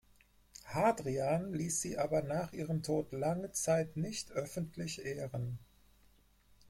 Hadrian ließ sie aber nach ihrem Tod lange Zeit nicht öffentlich ehren.